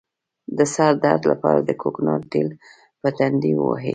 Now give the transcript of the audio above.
د سر درد لپاره د کوکنارو تېل په تندي ووهئ